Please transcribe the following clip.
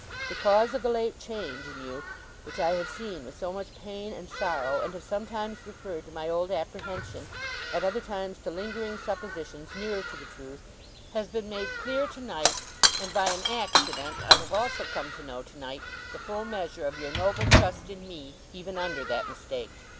The cause of the late change in you, which I have seen with so much pain and sorrow, and have sometimes referred to my old apprehension at other times to lingering suppositions nearer to the truth has been made clear tonight; and by an accident I have also come to know, tonight, the full measure of your noble trust in me, even under that mistake.